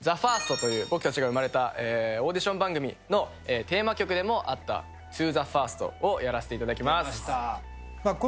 『ＴＨＥＦＩＲＳＴ』という僕たちが生まれたオーディション番組のテーマ曲でもあった『ＴｏＴｈｅＦｉｒｓｔ』をやらせていただきます。